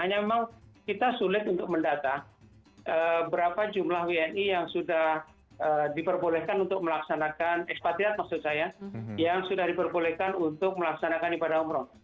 hanya memang kita sulit untuk mendata berapa jumlah wni yang sudah diperbolehkan untuk melaksanakan ekspatriat maksud saya yang sudah diperbolehkan untuk melaksanakan ibadah umroh